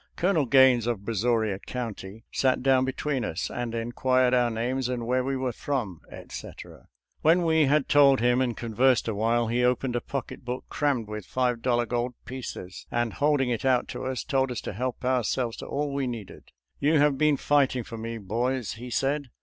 Colonel Gaines, of Brazoria County, sat down between us and inquired our names and where we were from, etc. When we had told him and conversed a while, he opened a pocket book crammed with five dollar gold pieces, and holding it out to us told us to help ourselves to all we needed. "You have been fighting for me, boys," he said.